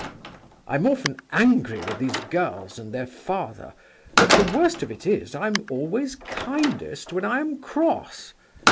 I am often angry with these girls and their father; but the worst of it is, I am always kindest when I am cross.